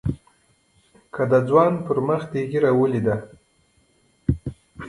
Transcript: که د ځوان پر مخ دې ږيره وليده.